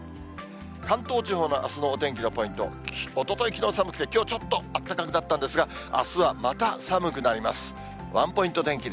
関東地方のあすのお天気のポイントは、おととい、きのう寒くて、きょうちょっとあったかくなったんですが、あすはまた寒くなります。